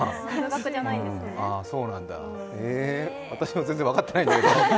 私も全然分かってないんだけど。